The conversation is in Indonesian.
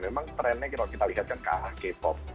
memang trennya kalau kita lihat kan kakak k pop